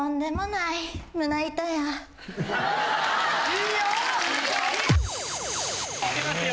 いいよ！